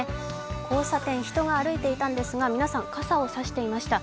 交差点、人が歩いていたんですが皆さん、傘を差していました。